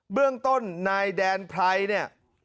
เรื่องต้นนายแดนไพรเนี่ย